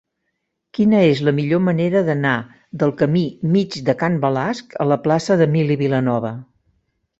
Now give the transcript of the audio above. Quina és la millor manera d'anar del camí Mig de Can Balasc a la plaça d'Emili Vilanova?